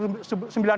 tahun ini bertambah